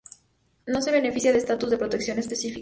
No se beneficia de estatus de protección específico.